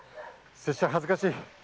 拙者は恥ずかしい。